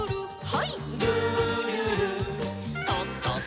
はい。